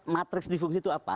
matrix difungsi itu apa